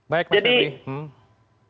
baik mas febri